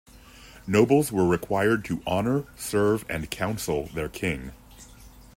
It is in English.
Nobles were required to honor, serve, and counsel their king.